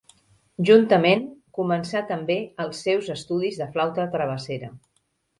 Juntament, començà també els seus estudis de flauta travessera.